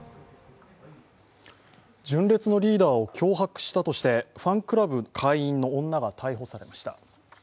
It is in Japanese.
純烈のリーダーを脅迫したとしてファンクラブ会員の女が逮捕されました。